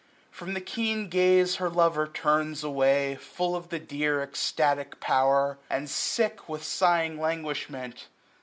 From the keen gaze her lover turns away, Full of the dear extabc power, and sick With sighing languishment.